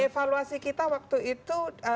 evaluasi kita waktu itu